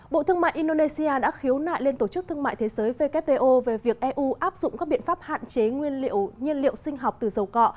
bộ thương mại indonesia đã khiếu nại lên tổ chức thương mại thế giới wto về việc eu áp dụng các biện pháp hạn chế nguyên liệu sinh học từ dầu cọ